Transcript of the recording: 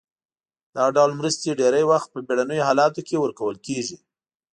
دا ډول مرستې ډیری وخت په بیړنیو حالاتو کې ورکول کیږي.